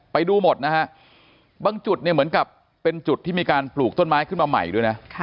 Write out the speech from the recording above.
ไปดูหมดนะฮะบางจุดเนี่ยเหมือนกับเป็นจุดที่มีการปลูกต้นไม้ขึ้นมาใหม่ด้วยนะ